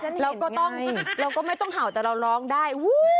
เราก็ไม่ต้องเผาแต่เราร้องได้